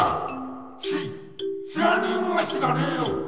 し知らねえもんは知らねえよ。